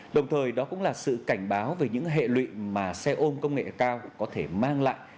đồng thời đó cũng là sự cảnh báo về những hệ lụy mà xe ôm công nghệ cao có thể mang lại